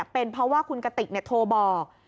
เป็นเพราะว่าคุณกติกโทรบอก